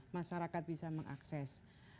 masyarakat bisa mengakses